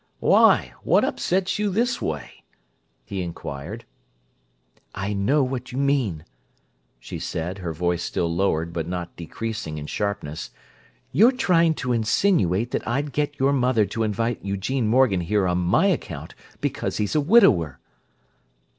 "Why, what upsets you this way?" he inquired. "I know what you mean," she said, her voice still lowered, but not decreasing in sharpness. "You're trying to insinuate that I'd get your mother to invite Eugene Morgan here on my account because he's a widower!"